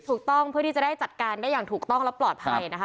เพื่อที่จะได้จัดการได้อย่างถูกต้องและปลอดภัยนะคะ